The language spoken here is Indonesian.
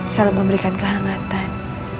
selalu memberikan kehangatan